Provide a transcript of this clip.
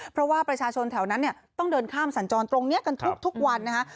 เพราะว่าประชาชนแถวนั้นเนี่ยต้องเดินข้ามสัญจรตรงนี้กันทุกวันนะฮะ